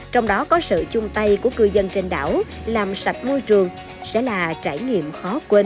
trong đó có sự chung tay của cư dân trên đảo làm sạch môi trường sẽ là trải nghiệm khó quên